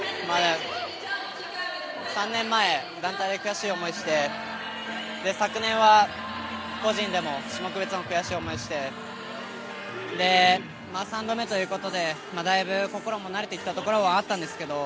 ３年前団体で悔しい思いをして昨年は個人でも種目別も悔しい思いをして３度目ということでだいぶ、心も慣れてきたところはあったんですけど